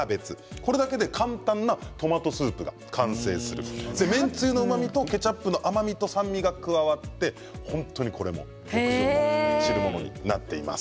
これだけで簡単なトマトスープ完成がする麺つゆのうまみとケチャップの甘みと酸味が加わって本当にこちら、おいしいんです。